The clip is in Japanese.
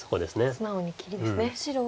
素直に切りですね。